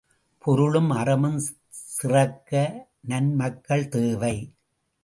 பொருளும் அறமும் சிறக்க நன்மக்கள் தேவை.